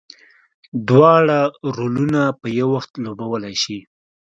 دواړه رولونه په یو وخت لوبولی شي.